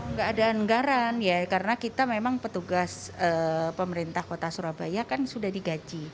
nggak ada anggaran ya karena kita memang petugas pemerintah kota surabaya kan sudah digaji